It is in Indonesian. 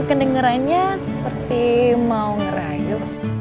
kedengerannya seperti mau ngerayu